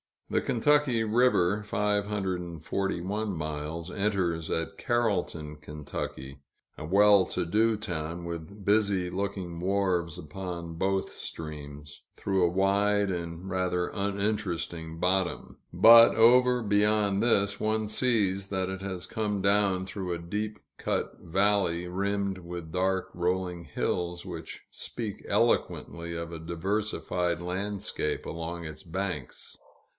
The Kentucky River (541 miles) enters at Carrollton, Ky., a well to do town, with busy looking wharves upon both streams, through a wide and rather uninteresting bottom. But, over beyond this, one sees that it has come down through a deep cut valley, rimmed with dark, rolling hills, which speak eloquently of a diversified landscape along its banks.